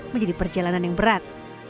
menjadi perjalanan yang berat